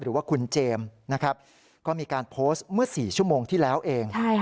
หรือว่าคุณเจมส์นะครับก็มีการโพสต์เมื่อ๔ชั่วโมงที่แล้วเอง